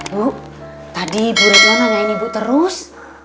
bu tadi bu retno nanyain ibu terus